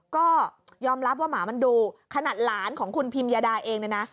ก็ยอมรับว่าหมามันดูขนาดหลานของคุณพิมยาดาเองเนี่ยนะ